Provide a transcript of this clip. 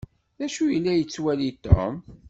D acu yella yettwali Tom?